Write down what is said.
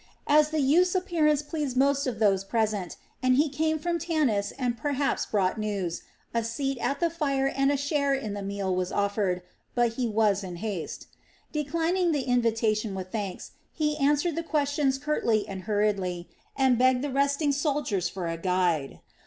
As the youth's appearance pleased most of those present, and he came from Tanis and perhaps brought news, a seat at the fire and a share in the meal were offered; but he was in haste. Declining the invitation with thanks, he answered the questions curtly and hurriedly and begged the resting soldiers for a guide.